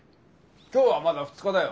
今日はまだ２日だよ。